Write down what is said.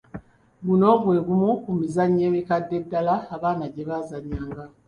Guno gwe gumu ku mizannyo emikadde ddala abaana gye baazannyanga.